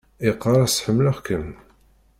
Yeqqar-as: Ḥemmleɣ-kem.